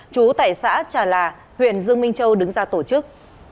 chú tại xã trà là huyện dương minh châu đứng ra tổ chức